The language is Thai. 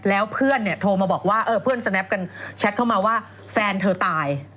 แล้วเพื่อนเนี่ยโทรมาบอกว่าเพื่อนสแนปกันแชทเข้ามาว่าแฟนเธอตาย